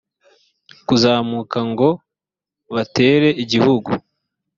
kuzamuka ngo batere igihugu